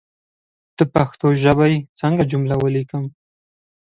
د پښتو ژبى څنګه جمله وليکم